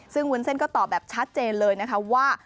ซึ่งวุ้นเส้นก็ตอบแบบชัดเจนเลยนะคะว่า